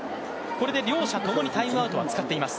これで両者ともにタイムアウトは使っています。